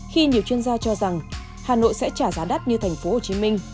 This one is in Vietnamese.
khi nhiều chuyên gia cho rằng hà nội sẽ trả giá đắt như thành phố hồ chí minh